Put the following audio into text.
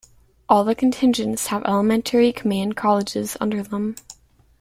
All the contingents have elementary command colleges under them.